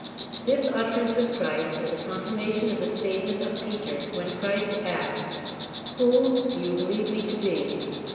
This utterance of Christ is a confirmation of the statement of Peter, when Christ asked : Whom do you believe me to be?